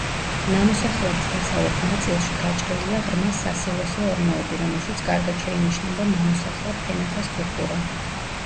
ნამოსახლარის დასავლეთ ნაწილში გაჭრილია ღრმა სასილოსე ორმოები, რომელშიც კარგად შეინიშნება ნამოსახლარ ფენათა სტრუქტურა.